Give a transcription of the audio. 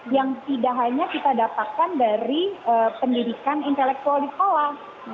yang tidak hanya kita dapatkan dari pendidikan intelektual di sekolah